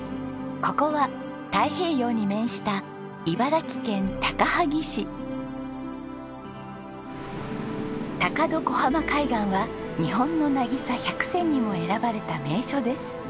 ここは太平洋に面した高戸小浜海岸は日本の渚１００選にも選ばれた名所です。